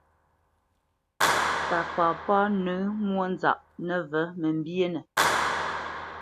Pa papá nǝ̂ǝ̂ mwónzaʼ nǝvǝ̂ mǝmbyénǝ.